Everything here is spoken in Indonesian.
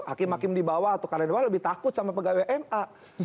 hakim hakim di bawah atau karen bawah lebih takut sama pegawai ma